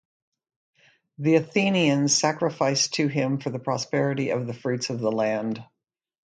The Athenians sacrificed to him for the prosperity of the fruits of the land.